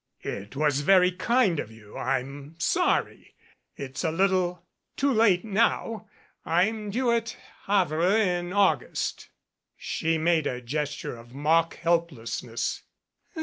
"It was very kind of you. I'm sorry. It's a little too late now. I'm due at Havre in August." She made a gesture of mock helplessness.